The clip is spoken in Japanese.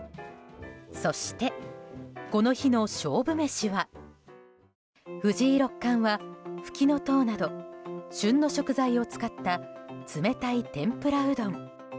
そして、この日の勝負メシは藤井六冠はフキノトウなど旬の食材を使った冷たい天ぷらうどん。